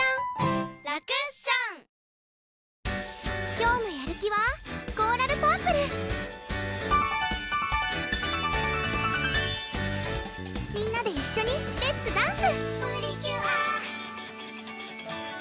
今日のやる気はコーラルパープルみんなで一緒にレッツダンス！